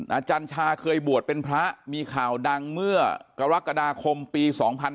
อาจารย์ชาเคยบวชเป็นพระมีข่าวดังเมื่อกรกฎาคมปี๒๕๕๙